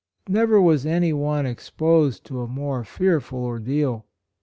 Never was any one exposed to a more fearful ordeal.